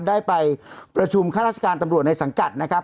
ได้ไปประชุมข้าราชการตำรวจในสังกัดนะครับ